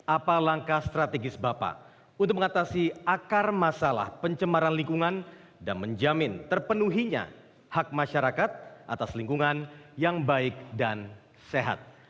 apa langkah strategis bapak untuk mengatasi akar masalah pencemaran lingkungan dan menjamin terpenuhinya hak masyarakat atas lingkungan yang baik dan sehat